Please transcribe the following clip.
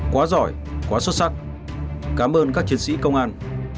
quá giỏi quá xuất sắc cảm ơn các chiến sĩ công an